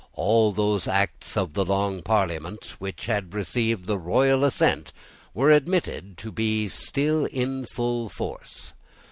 All those acts of the Long Parliament which had received the royal assent were admitted to be still in full force.